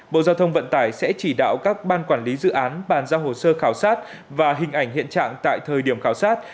bộ giao thông vận tải sẽ chỉ đạo các ban quản lý dự án bàn giao hồ sơ khảo sát và hình ảnh hiện trạng tại thời điểm khảo sát